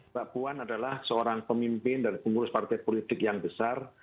mbak puan adalah seorang pemimpin dan pengurus partai politik yang besar